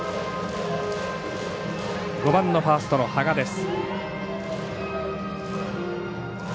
５番のファースト垪和です。